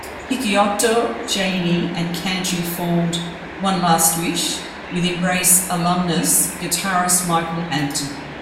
Picciotto, Janney, and Canty formed One Last Wish with Embrace alumnus, guitarist Michael Hampton.